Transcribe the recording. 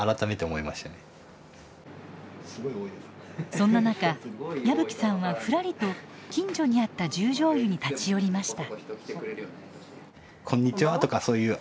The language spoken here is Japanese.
そんな中矢吹さんはふらりと近所にあった十條湯に立ち寄りました。